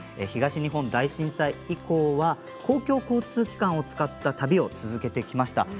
東日本大震災後は公共交通機関を使って旅をしてきました。